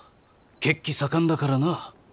血気盛んだからな。